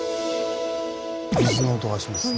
水の音がしますね。